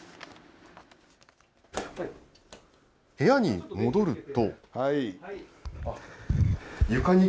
部屋に戻ると。